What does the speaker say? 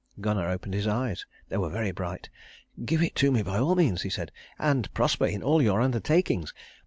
Gunnar opened his eyes. They were very bright. "Give it to me by all means," he said, "and prosper in all your undertakings!